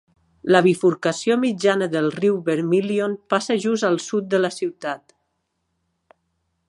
La bifurcació mitjana del riu Vermilion passa just al sud de la ciutat.